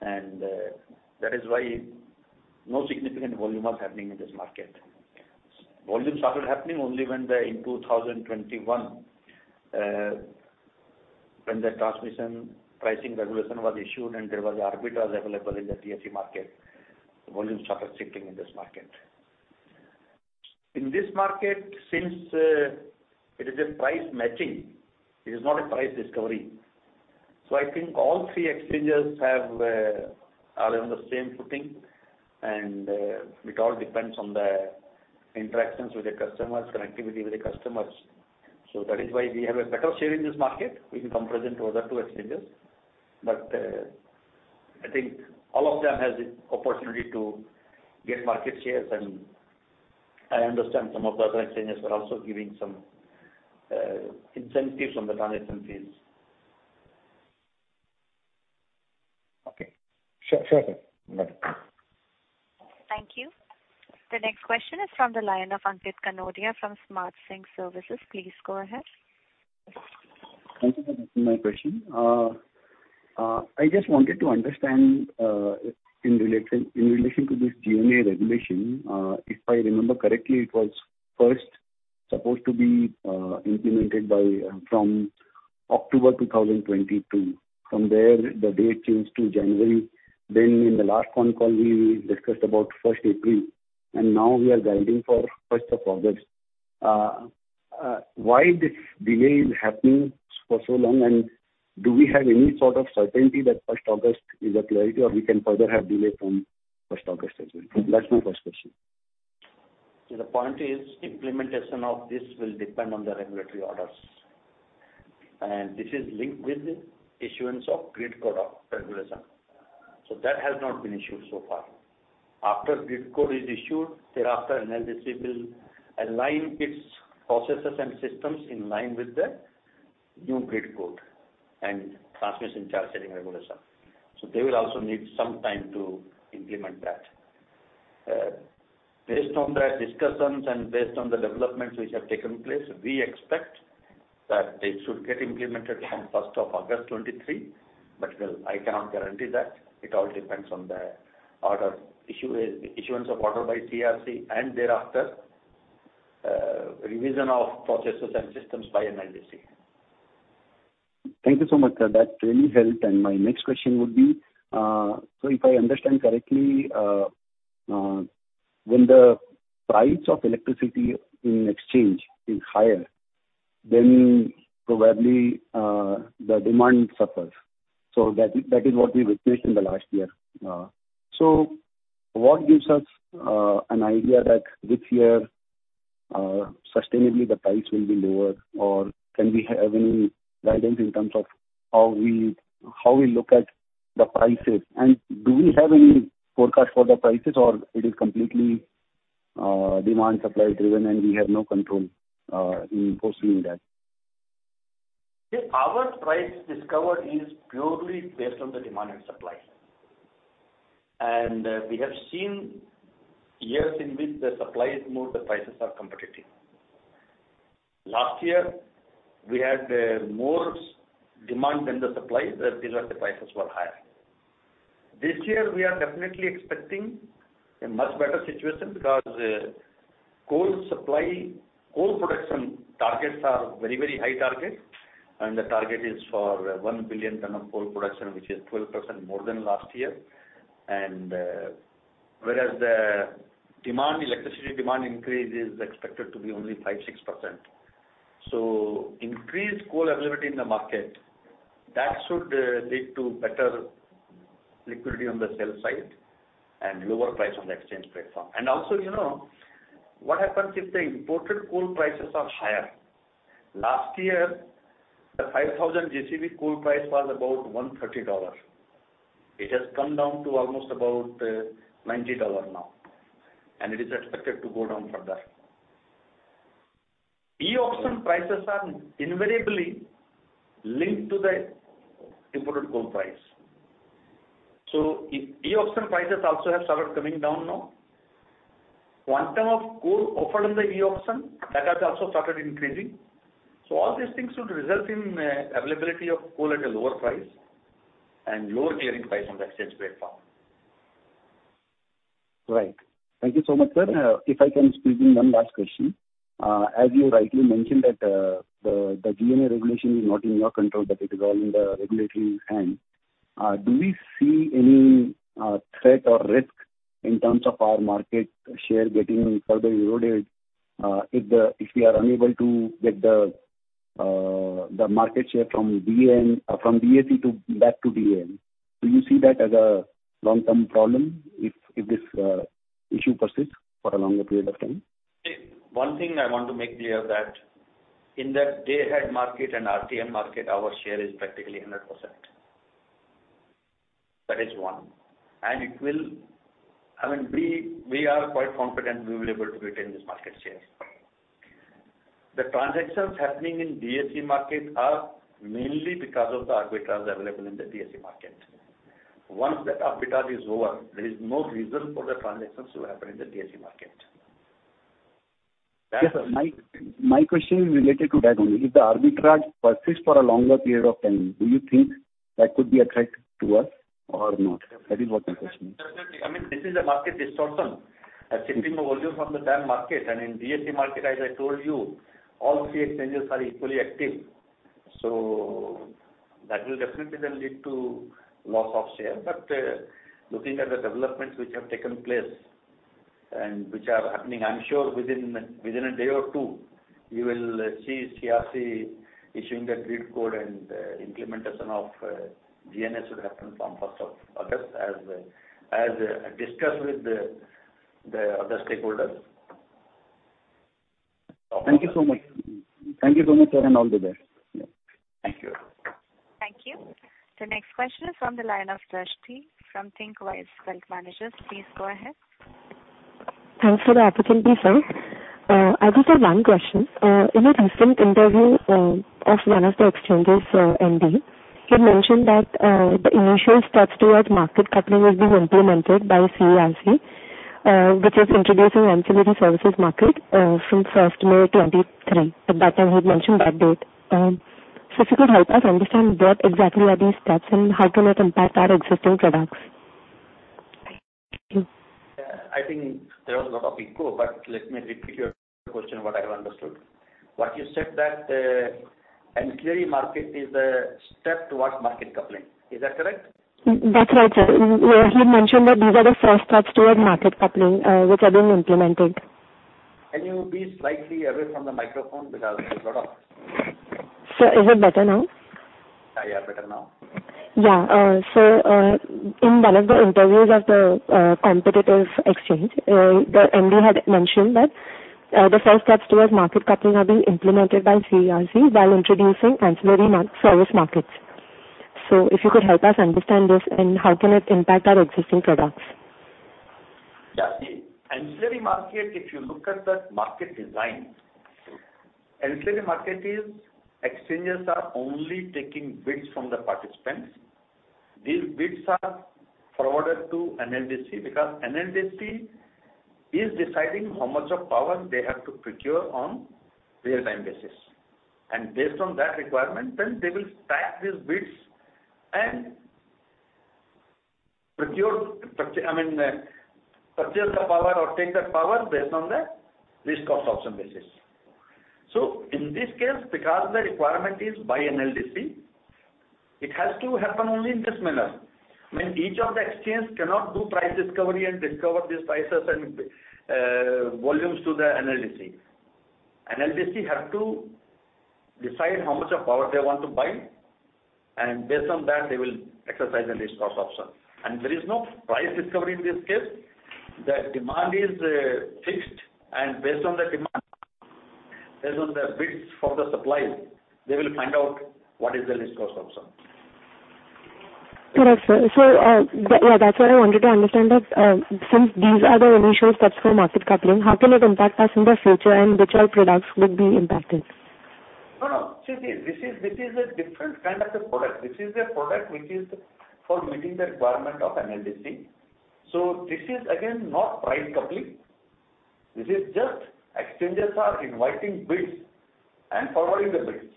That is why no significant volume was happening in this market. Volume started happening only when, in 2021, when the transmission pricing regulation was issued, and there was arbiters available in the DAC market, the volume started shifting in this market. In this market, since it is a price matching, it is not a price discovery. I think all three exchanges have, are on the same footing, and it all depends on the interactions with the customers, connectivity with the customers. That is why we have a better share in this market in comparison to other two exchanges. I think all of them has the opportunity to get market shares, and I understand some of the other exchanges are also giving some incentives on the transaction fees. Okay. Sure, sure, sir. Thank you. Thank you. The next question is from the line of Ankit Kanodia from Smart Sync Services. Please go ahead. Thank you for taking my question. I just wanted to understand in relation to this GNA regulation, if I remember correctly, it was first supposed to be implemented from October 2022. From there, the date changed to January. Then in the last phone call, we discussed about 1st April, and now we are guiding for 1st of August. Why this delay is happening for so long? Do we have any sort of certainty that 1st August is a clarity, or we can further have delay from 1st August as well? That's my first question. The point is, implementation of this will depend on the regulatory orders. This is linked with the issuance of grid code of regulation. That has not been issued so far. After grid code is issued, thereafter, NLDC will align its processes and systems in line with the new grid code and transmission charge setting regulation. They will also need some time to implement that. Based on the discussions and based on the developments which have taken place, we expect that they should get implemented on 1st of August 2023. I cannot guarantee that. It all depends on the order issuance of order by CERC and thereafter, revision of processes and systems by NLDC. Thank you so much, sir. That really helped. My next question would be, if I understand correctly, when the price of electricity in exchange is higher, then probably the demand suffers. That is what we witnessed in the last year. What gives us an idea that this year, sustainably, the price will be lower? Or can we have any guidance in terms of how we look at the prices? Do we have any forecast for the prices, or it is completely demand, supply driven, and we have no control in foreseeing that? The power price discovered is purely based on the demand and supply. We have seen years in which the supply is more, the prices are competitive. Last year, we had more demand than the supply, the prices were higher. This year, we are definitely expecting a much better situation because coal supply, coal production targets are very, very high, and the target is for 1 billion ton of coal production, which is 12% more than last year. Whereas the demand, electricity demand increase is expected to be only 5%-6%. Increased coal availability in the market, that should lead to better liquidity on the sell side and lower price on the exchange platform. Also, you know, what happens if the imported coal prices are higher? Last year, the 5,000 GCV coal price was about $130. It has come down to almost about $90 now, and it is expected to go down further. E-auction prices are invariably linked to the imported coal price. If E-auction prices also have started coming down now, quantum of coal offered in the E-auction, that has also started increasing. All these things should result in availability of coal at a lower price and lower clearing price on the exchange platform. Right. Thank you so much, sir. If I can squeeze in one last question. As you rightly mentioned, that the DSM regulation is not in your control, but it is all in the regulatory hand. Do we see any threat or risk in terms of our market share getting further eroded, if we are unable to get the market share from DAC to back to DAM? Do you see that as a long-term problem if this issue persists for a longer period of time? One thing I want to make clear that in that Day-Ahead Market and RTM market, our share is practically 100%. That is one. I mean, we are quite confident we will be able to retain this market share. The transactions happening in DAC market are mainly because of the arbitrage available in the DAC market. Once that arbitrage is over, there is no reason for the transactions to happen in the DAC market. Yes, sir, my question is related to that only. If the arbitrage persists for a longer period of time, do you think that could be a threat to us or not? That is what my question is. I mean, this is a market distortion, shifting the volume from the DAM market. In DAC market, as I told you, all three exchanges are equally active, that will definitely then lead to loss of share. Looking at the developments which have taken place and which are happening, I'm sure within a day or two, you will see CERC issuing the grid code and implementation of DSM should happen from 1st of August, as discussed with the other stakeholders. Thank you so much. Thank you so much, sir, and all the best. Thank you. Thank you. The next question is from the line of Drishti from Thinqwise Wealth Managers. Please go ahead. Thanks for the opportunity, sir. I just have one question. In a recent interview of one of the exchanges MD, he mentioned that the initial steps towards market coupling will be implemented by CERC, which is introducing ancillary services market from 1st May 2023. At that time, he mentioned that date. If you could help us understand what exactly are these steps and how can it impact our existing products? Thank you. I think there was a lot of input, but let me repeat your question, what I have understood. What you said that ancillary market is a step towards market coupling. Is that correct? That's right, sir. Yeah, he mentioned that these are the first steps towards market coupling, which are being implemented. Can you be slightly away from the microphone? Because there's a lot of- Sir, is it better now? Yeah, better now. Yeah, in one of the interviews of the competitive exchange, the MD had mentioned that the first steps towards market coupling are being implemented by CERC while introducing ancillary service markets. If you could help us understand this, and how can it impact our existing products? See, ancillary market, if you look at the market design, ancillary market is exchanges are only taking bids from the participants. These bids are forwarded to NLDC, because NLDC is deciding how much of power they have to procure on real-time basis. Based on that requirement, then they will track these bids and procure, I mean, purchase the power or take that power based on the least cost option basis. In this case, because the requirement is by NLDC, it has to happen only in this manner. I mean, each of the exchange cannot do price discovery and discover these prices and volumes to the NLDC. NLDC have to decide how much of power they want to buy, and based on that, they will exercise the least cost option. There is no price discovery in this case. The demand is fixed, and based on the demand, based on the bids for the supply, they will find out what is the least cost option. Correct, sir. That's what I wanted to understand, that since these are the initial steps for market coupling, how can it impact us in the future, and which our products would be impacted? No, no. See, this is a different kind of a product. This is a product which is for meeting the requirement of NLDC. This is again, not price coupling. This is just exchanges are inviting bids and forwarding the bids.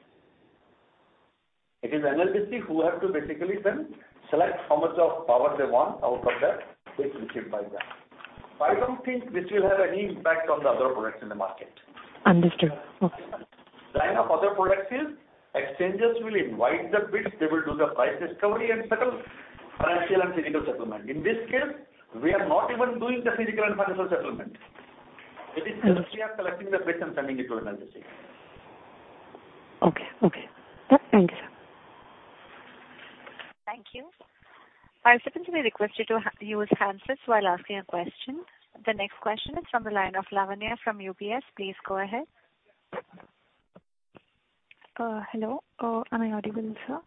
It is NLDC who have to basically then select how much of power they want out of that bids received by them. I don't think this will have any impact on the other products in the market. Understood. Okay. Line of other products is, exchanges will invite the bids, they will do the price discovery and settle financial and physical settlement. In this case, we are not even doing the physical and financial settlement. It is just we are collecting the bids and sending it to NLDC. Okay. Okay. Yeah, thank you, sir. Thank you. I simply request you to use handsets while asking a question. The next question is from the line of Lavanya from UBS. Please go ahead. Hello. Am I audible, sir?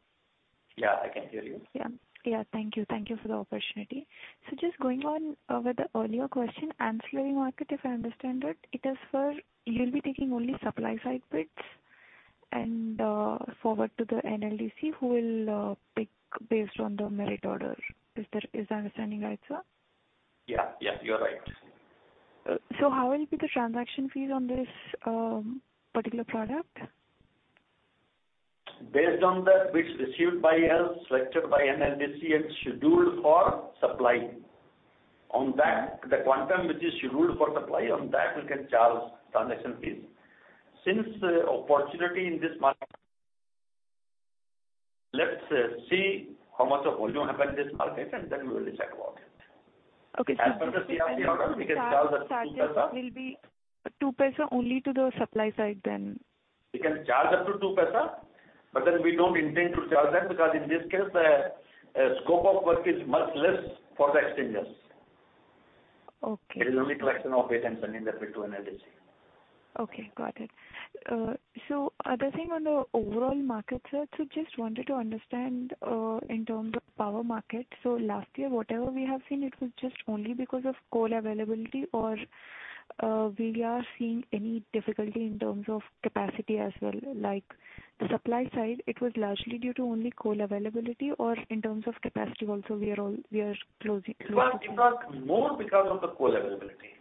Yeah, I can hear you. Yeah. Yeah, thank you. Thank you for the opportunity. Just going on, with the earlier question, ancillary market, if I understand it is for you'll be taking only supply side bids and, forward to the NLDC, who will, pick based on the merit order. Is my understanding right, sir? Yeah, yeah, you are right. How will you put the transaction fees on this particular product? Based on the bids received by us, selected by NLDC and scheduled for supply. On that, the quantum which is scheduled for supply, on that we can charge transaction fees. Since the opportunity in this market, let's see how much of volume happen in this market, and then we will decide about it. Okay. As per the CFD order, we can charge the INR 0.02. Will be 2 paisa only to the supply side, then? We can charge up to 2 paisa, but then we don't intend to charge that, because in this case, the scope of work is much less for the exchangers. Okay. It is only collection of bids and sending the bid to NLDC. Okay, got it. Other thing on the overall market side, just wanted to understand, in terms of power market. Last year, whatever we have seen, it was just only because of coal availability or, we are seeing any difficulty in terms of capacity as well? Like, the supply side, it was largely due to only coal availability or in terms of capacity also we are closing It was more because of the coal availability.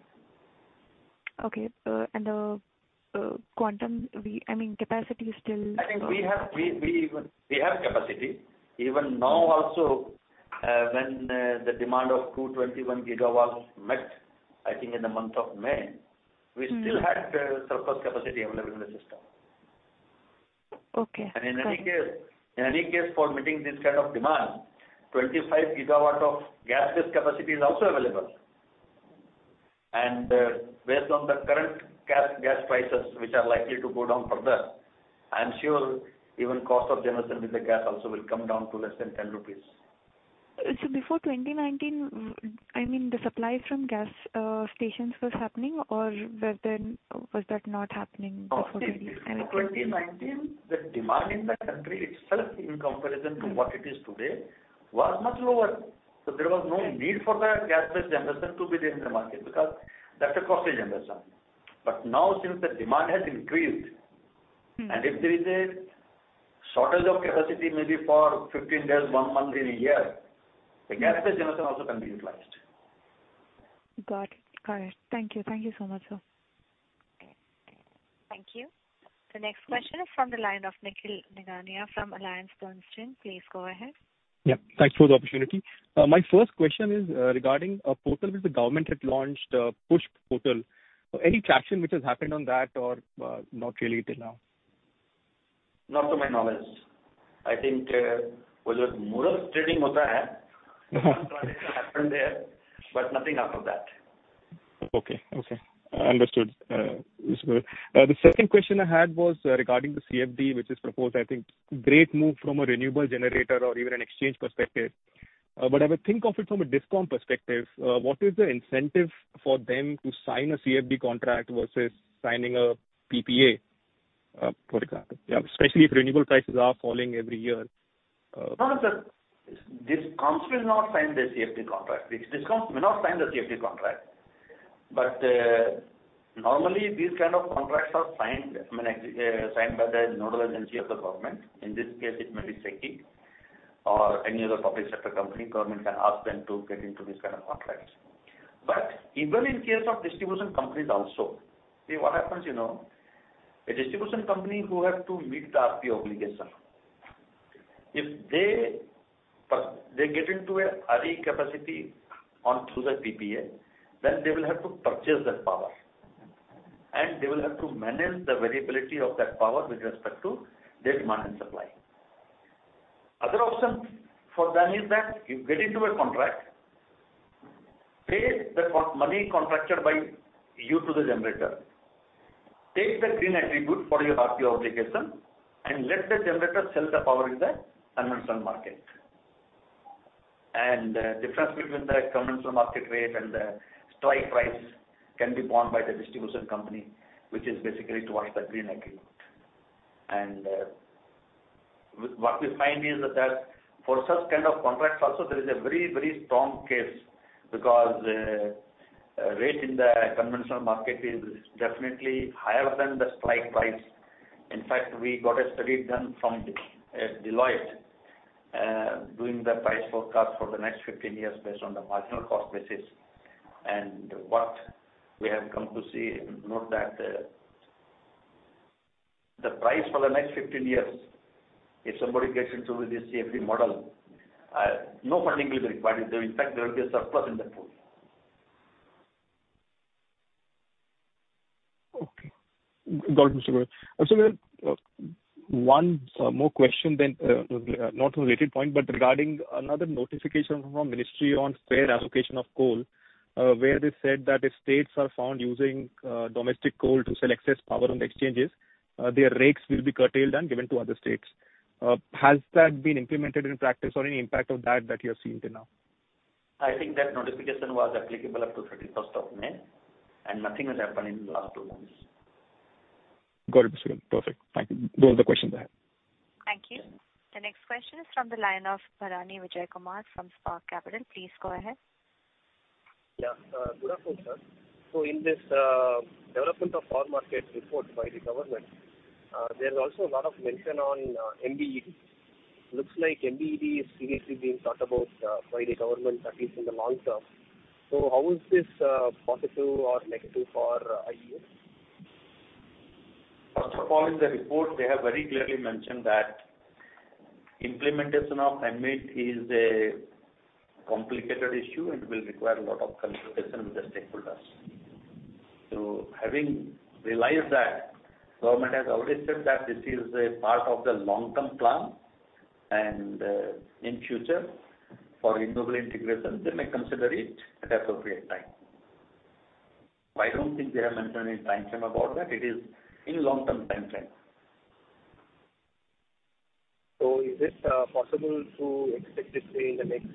Okay. The quantum, I mean, capacity is- I think we have capacity. Even now also, when the demand of 221 GWs was met, I think in the month of May. Mm. We still had, surplus capacity available in the system. Okay. In any case for meeting this kind of demand, 25 GW of gas-based capacity is also available. Based on the current gas prices, which are likely to go down further, I'm sure even cost of generation with the gas also will come down to less than 10 rupees. Before 2019, I mean, the supply from gas stations was happening or was then, was that not happening before? No, see, before 2019, the demand in the country itself, in comparison to what it is today, was much lower. There was no need for the gas-based generation to be there in the market, because that's a costly generation. Now, since the demand has increased- Mm. If there is a shortage of capacity, maybe for 15 days, one month in a year, the gas-based generation also can be utilized. Got it. Thank you so much, sir. Thank you. The next question is from the line of Nikhil Nigania from AllianceBernstein. Please go ahead. Yeah, thanks for the opportunity. My first question is regarding a portal which the government had launched, PUShP portal. Any traction which has happened on that or not really till now? Not to my knowledge. I think, happened there, but nothing out of that. Okay. Okay, understood. The second question I had was regarding the CFD, which is proposed. I think, great move from a renewable generator or even an exchange perspective. If I think of it from a DISCOM perspective, what is the incentive for them to sign a CFD contract versus signing a PPA, for example? Especially if renewable prices are falling every year. No, sir. DISCOMs will not sign the CFD contract. These DISCOMs will not sign the CFD contract. Normally, these kind of contracts are signed, I mean, signed by the nodal agency of the government. In this case, it may be SEBI or any other public sector company, government can ask them to get into this kind of contracts. Even in case of distribution companies also, see what happens, you know, a distribution company who have to meet the RPO obligation, if they get into a RE capacity on through the PPA, then they will have to purchase that power, and they will have to manage the variability of that power with respect to their demand and supply. Other option for them is that you get into a contract, pay the money contracted by you to the generator, take the green attribute for your RPO obligation, and let the generator sell the power in the conventional market. Difference between the conventional market rate and the strike price can be borne by the distribution company, which is basically towards the Green Agreement. What we find is that for such kind of contracts also, there is a very, very strong case because rate in the conventional market is definitely higher than the strike price. In fact, we got a study done from Deloitte doing the price forecast for the next 15 years based on the marginal cost basis. What we have come to see, note that, the price for the next 15 years, if somebody gets into this CFD model, no funding will be required. In fact, there will be a surplus in that pool. Okay. Got it, Mr. Goel. One more question then, not a related point, but regarding another notification from our ministry on fair allocation of coal, where they said that if states are found using domestic coal to sell excess power on the exchanges, their RECs will be curtailed and given to other states. Has that been implemented in practice or any impact of that that you have seen till now? I think that notification was applicable up to 31st of May, and nothing has happened in the last two months. Got it, Mr. Goel. Perfect. Thank you. Those are the questions I had. Thank you. The next question is from the line of Bharanidhar Vijayakumar from Spark Capital. Please go ahead. Good afternoon, sir. In this development of power market report by the government, there is also a lot of mention on MBED. Looks like MBED is seriously being thought about by the government, at least in the long term. How is this positive or negative for IEX? First of all, in the report, they have very clearly mentioned that implementation of MBED is a complicated issue and will require a lot of consultation with the stakeholders. Having realized that, government has already said that this is a part of the long-term plan, and in future, for renewable integration, they may consider it at appropriate time. I don't think they have mentioned any timeframe about that. It is in long-term timeframe. Is it possible to expect this say in the next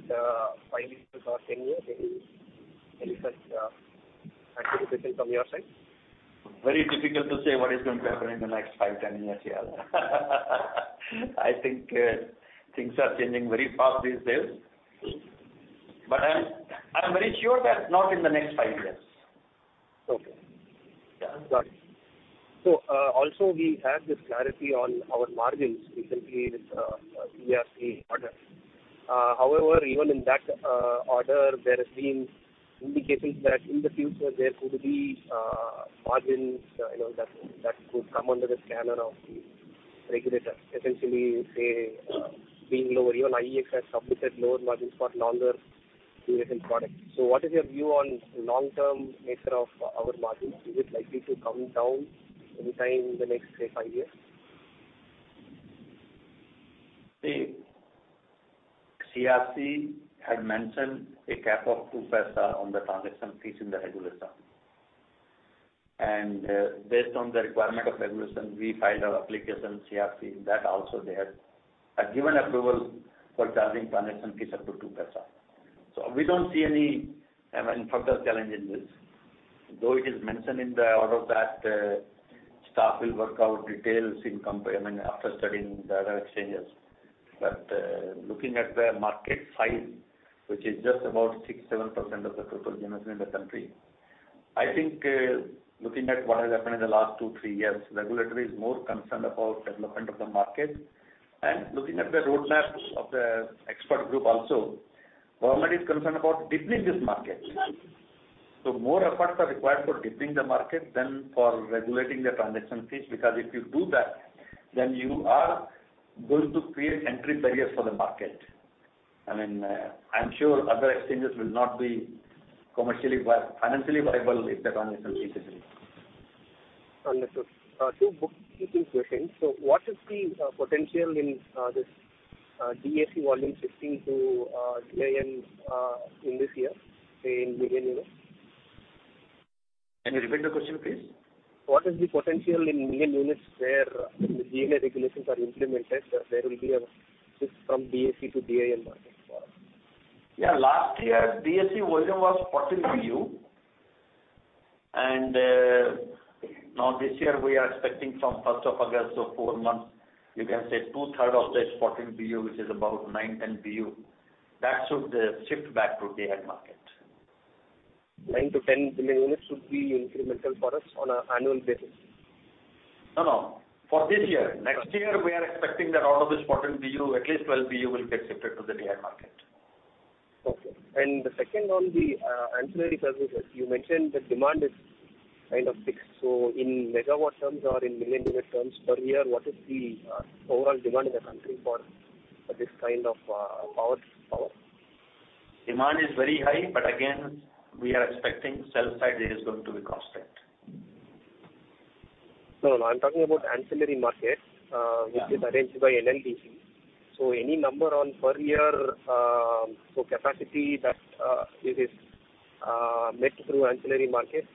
five years or 10 years? Any such anticipation from your side? Very difficult to say what is going to happen in the next five, 10 years here. I think things are changing very fast these days, but I'm very sure that not in the next five years. Okay. Yeah. Got it. Also we had this clarity on our margins, recently with CERC order. However, even in that order, there has been indications that in the future, there could be margins, you know, that could come under the scanner of the regulator. Essentially, say, being lower, even IEX has submitted lower margins for longer duration products. What is your view on long-term nature of our margins? Is it likely to come down anytime in the next say, five years? The CERC had mentioned a cap of 2 paisa on the transaction fees in the regulation. Based on the requirement of regulation, we filed our application, CERC. That also they have given approval for charging transaction fees up to 2 paisa. We don't see any, I mean, further challenge in this, though it is mentioned in the order that staff will work out details, I mean, after studying the other exchanges. Looking at the market size, which is just about 6%, 7% of the total generation in the country, I think, looking at what has happened in the last two, three years, regulatory is more concerned about development of the market. Looking at the roadmap of the expert group also, government is concerned about deepening this market. More efforts are required for deepening the market than for regulating the transaction fees, because if you do that, then you are going to create entry barriers for the market. I mean, I'm sure other exchanges will not be commercially financially viable if the transaction fees is in. Understood. Two bookkeeping questions. What is the potential in this DAC volume shifting to GNA in this year, say, in beginning year? Can you repeat the question, please? What is the potential in million units where the DSM regulations are implemented, there will be a shift from DAC to DAM market for us? Last year, DAC volume was 14 BU. Now this year we are expecting from 1st of August, four months, you can say two-third of the 14 BU, which is about nine, 10 BU. That should shift back to DAM market. Nine-10 billion units should be incremental for us on an annual basis? No, no, for this year. Next year, we are expecting that out of this 14 BU, at least 12 BU will get shifted to the DAM market. Okay. The second on the ancillary services, you mentioned the demand is kind of fixed. In megawatts terms or in million unit terms per year, what is the overall demand in the country for this kind of power? Demand is very high, but again, we are expecting sell side is going to be constant. No, no, I'm talking about ancillary market- Yeah. Which is arranged by NLDC. Any number on per year, so capacity that, it is, met through ancillary market?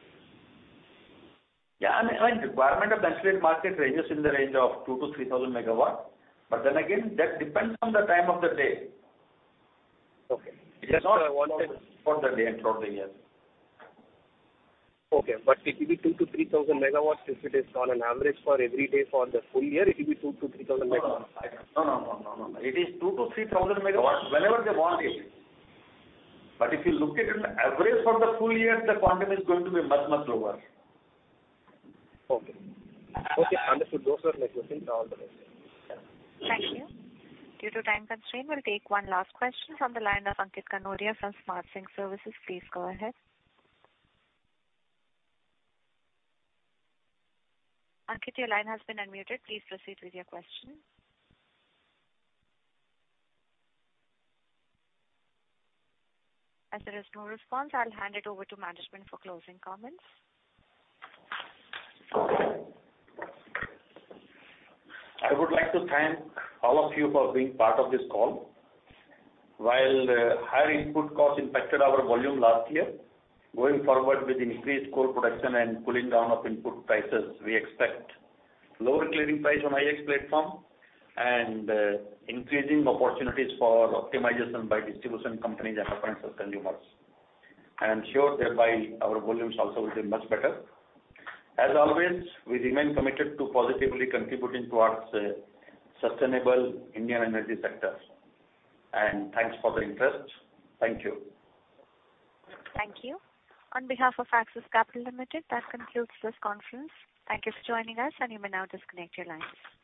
Yeah, requirement of ancillary market ranges in the range of 2,000 MW-3,000 MW. Again, that depends on the time of the day. Okay. It is not for the day and throughout the year. Okay, it will be 2,000 MW-3,000 MW. If it is on an average for every day for the full year, it will be 2,000 MW-3,000 MW. No, no, no. It is 2,000 MW-3,000 MW whenever they want it. If you look at it, an average for the full year, the quantum is going to be much, much lower. Okay. Okay, understood. Those were my questions. All the best. Thank you. Due to time constraint, we'll take one last question from the line of Ankit Kanodia from Smart Sync Services. Please go ahead. Ankit, your line has been unmuted. Please proceed with your question. As there is no response, I'll hand it over to management for closing comments. I would like to thank all of you for being part of this call. While the higher input cost impacted our volume last year, going forward with increased coal production and pulling down of input prices, we expect lower clearing price on IEX platform and increasing opportunities for optimization by distribution companies and our financial consumers. I am sure thereby our volumes also will be much better. As always, we remain committed to positively contributing towards a sustainable Indian energy sector. Thanks for the interest. Thank you. Thank you. On behalf of Axis Capital Limited, that concludes this conference. Thank you for joining us, and you may now disconnect your lines.